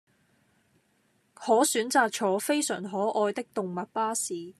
可選擇坐非常可愛的動物巴士